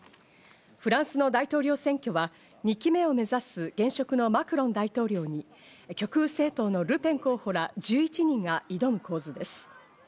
フランスの大統領選挙は２期目を目指す現職のマクロン大統領に極右政党のルペン候補ら１１人が挑む構図です。